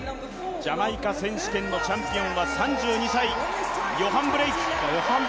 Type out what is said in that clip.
ジャマイカ選手権のチャンピオンは３２歳ヨハン・ブレイク。